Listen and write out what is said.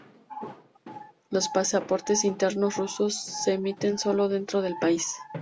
Los pasaportes internos rusos se emiten solo dentro del país.